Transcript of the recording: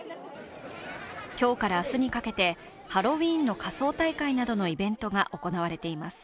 今日から明日にかけて、ハロウィーンの仮装大会などのイベントが行われています。